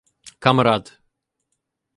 Камрад